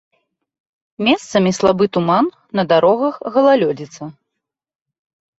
Месцамі слабы туман, на дарогах галалёдзіца.